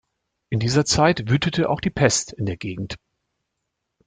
In dieser Zeit wütete auch die Pest in der Gegend.